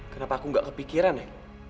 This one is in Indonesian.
kenapa aku gak kepikiran ya